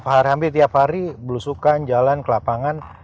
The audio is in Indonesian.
hampir tiap hari belusukan jalan ke lapangan